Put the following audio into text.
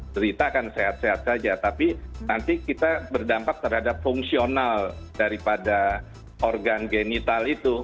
cerita akan sehat sehat saja tapi nanti kita berdampak terhadap fungsional daripada organ genital itu